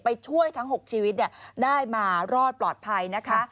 ช่วยทั้ง๖ชีวิตได้มารอดปลอดภัยนะคะ